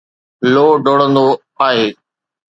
لو ڊوڙندو آهي